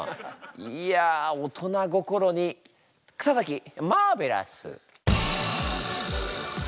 いや大人心に草滝マーベラス。